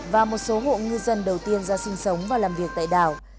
và một số hộ ngư dân đầu tiên ra sinh sống và làm việc tại đảo